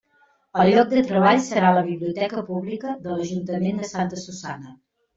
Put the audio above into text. El lloc de treball serà la biblioteca Pública de l'Ajuntament de Santa Susanna.